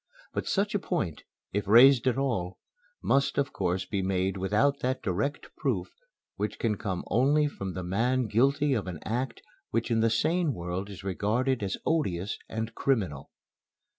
But such a point, if raised at all, must of course be made without that direct proof which can come only from the man guilty of an act which in the sane world is regarded as odious and criminal.